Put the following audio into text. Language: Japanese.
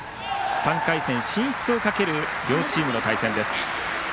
３回戦進出をかける両チームの対戦。